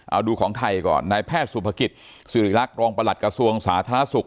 เอาดูของไทยก่อนนายแพทย์สุภกิจสิริรักษ์รองประหลัดกระทรวงสาธารณสุข